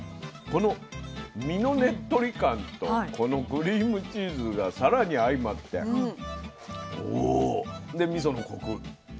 この身のねっとり感とこのクリームチーズがさらに相まってでみそのコク。